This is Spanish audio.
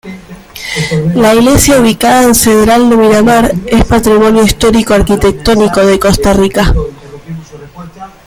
La iglesia ubicada en Cedral de Miramar es patrimonio histórico-arquitectónico de Costa Rica.